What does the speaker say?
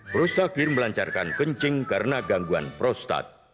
prostakir melancarkan kencing karena gangguan prostat